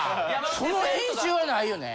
その編集はないよね。